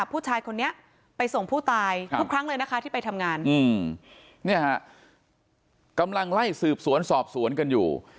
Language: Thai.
ผู้ชายคนนี้ไปส่งผู้ตายทุกครั้งเลยนะคะที่ไปทำงานกำลังไล่สืบสวนสอบสวนกันอยู่